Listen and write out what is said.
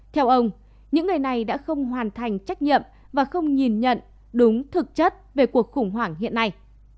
theo ông những người này đã không hoàn thành trách nhiệm và không nhìn nhận đúng thực chất về cuộc khủng hoảng hiện nay